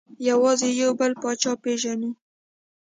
یوازې یو بل پاچا پېژنو.